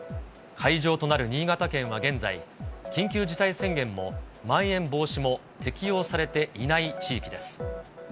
会場となる新潟県は現在、緊急事態宣言もまん延防止も適用されていない地域です。